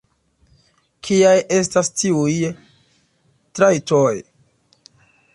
Kiaj estas tiuj trajtoj?